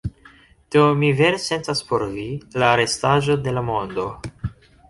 Do mi vere sentas por vi, la restaĵo de la mondo.